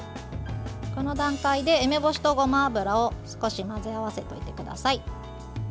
この段階で梅干しとごま油を少し混ぜ合わせておいてください。